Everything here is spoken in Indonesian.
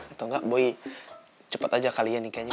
atau enggak boy cepet aja kali ya nikahnya